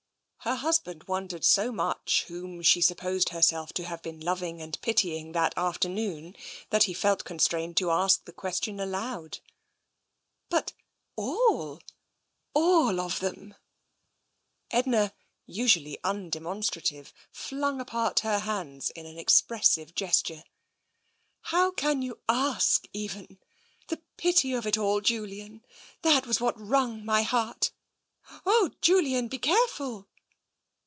Her husband wondered so much whom she sup posed herself to have been loving and pitying that afternoon, that he felt constrained to ask the question aloud. " But all — all of them !" Edna, usually undemonstrative, flung apart her hands in an expressive gesture. '* How can you ask, even ? The pity of it all, Julian! That was what wrung my heart. ... Oh, Julian! be careful."